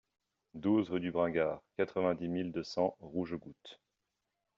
douze rue du Bringard, quatre-vingt-dix mille deux cents Rougegoutte